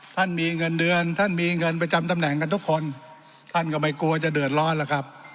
ท่านมีเงินเดือนท่านมีเงินประจำตำแหน่งกันทุกคนท่านก็ไม่กลัวจะเดือดร้อนแล้วครับ